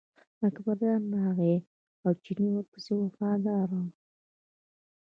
اکبرجان راغی او چینی ورپسې و وفاداره.